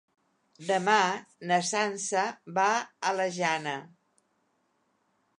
Demà na Sança va a la Jana.